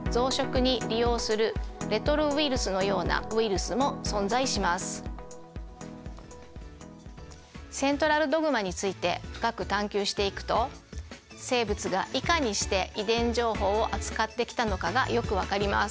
ＶＴＲでも確認しましたがつまり一方そのかわりセントラルドグマについて深く探究していくと生物がいかにして遺伝情報を扱ってきたのかがよく分かります。